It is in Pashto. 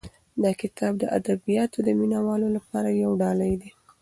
دا کتاب د ادبیاتو د مینه والو لپاره یو ډالۍ ده.